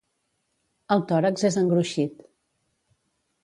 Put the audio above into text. El tòrax és engruixit.